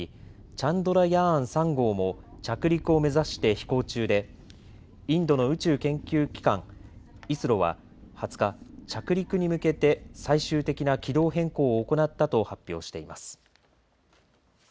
チャンドラヤーン３号も着陸を目指して飛行中でインドの宇宙研究機関＝ＩＳＲＯは２０日着陸に向けて最終的な軌道変更を行ったと発表しています。